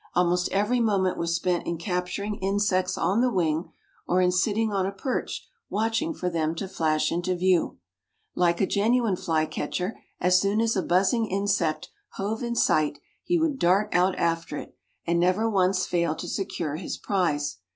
Almost every moment was spent in capturing insects on the wing or in sitting on a perch watching for them to flash into view. Like a genuine flycatcher, as soon as a buzzing insect hove in sight, he would dart out after it, and never once failed to secure his prize.